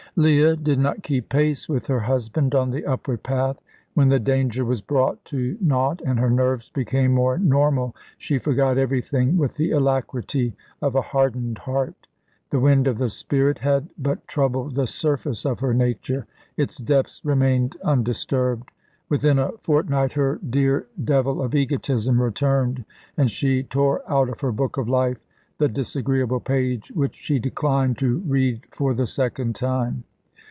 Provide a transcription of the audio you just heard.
Leah did not keep pace with her husband on the upward path. When the danger was brought to naught, and her nerves became more normal, she forgot everything with the alacrity of a hardened heart. The wind of the Spirit had but troubled the surface of her nature; its depths remained undisturbed. Within a fortnight her dear devil of egotism returned, and she tore out of her book of life the disagreeable page, which she declined to read for the second time.